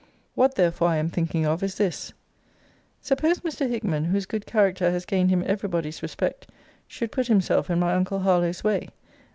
What, therefore, I am thinking of, is this 'Suppose Mr. Hickman, whose good character has gained him every body's respect, should put himself in my uncle Harlowe's way?